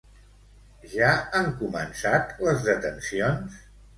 Ja han començat les detencions?